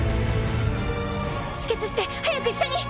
止血して早く医者に！